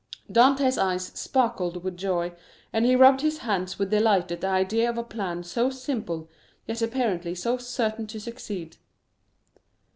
Dantès' eyes sparkled with joy, and he rubbed his hands with delight at the idea of a plan so simple, yet apparently so certain to succeed.